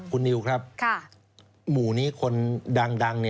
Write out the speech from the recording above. คุณนิวครับหมู่นี้คนดัง